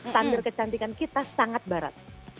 standar kecantikan kita sangat barat